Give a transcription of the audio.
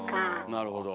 なるほど。